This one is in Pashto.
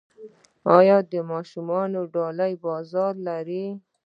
آیا د ماشومانو ډالۍ بازار لري؟